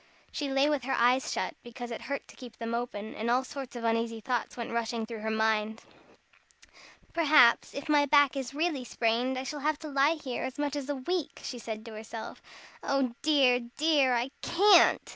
She lay with her eyes shut, because it hurt to keep them open, and all sorts of uneasy thoughts went rushing through her mind. "Perhaps, if my back is really sprained, I shall have to lie here as much as a week," she said to herself. "Oh dear, dear! I can't.